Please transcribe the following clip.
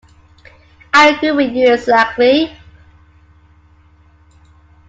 I agree with you exactly.